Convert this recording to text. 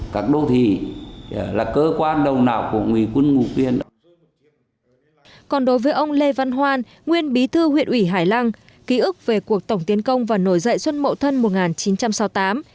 còn đối với ông lê văn hoan nguyên bí thư huyện ủy hải lăng ký ức về cuộc tổng tiến công và nổi dậy xuân mậu thân một nghìn chín trăm sáu mươi tám